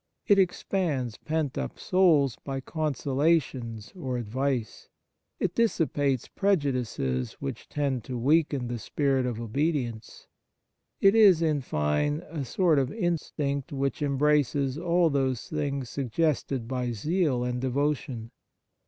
It expands pent up souls by consolations or advice ; it dissipates prejudices which tend to weaken the spirit of obedience ; it is, in fine, a sort of instinct which embraces all those things suggested by zeal and devotion.